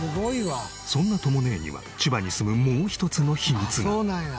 そんなとも姉には千葉に住むもう一つの秘密が。